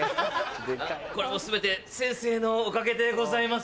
これも全て先生のおかげでございます。